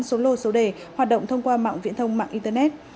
số lô số đề hoạt động thông qua mạng viễn thông mạng internet